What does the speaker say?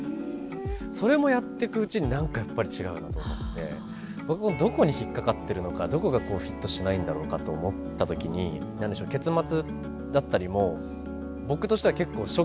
それもやってくうちになんかやっぱり違うなと思って僕もどこに引っかかってるのかどこがこうフィットしないんだろうかと思った時に結末だったりも僕としては結構ショッキングな結末だったというか。